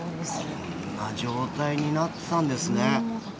こんな状態になっていたんですね。